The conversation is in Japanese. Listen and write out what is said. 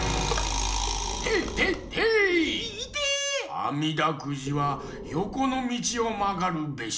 あみだくじはよこのみちをまがるべし！